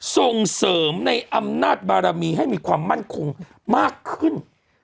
ส่งเสริมในอำนาจบารมีให้มีความมั่นคงมากขึ้น